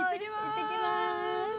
いってきます。